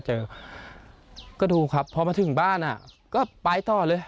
เห็นโทษทีพอถึงบ้านก็ไปต่อแล้ว